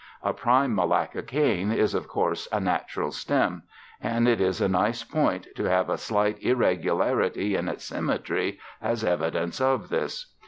A prime Malacca cane is, of course, a natural stem, and it is a nice point to have a slight irregularity in its symmetry as evidence of this.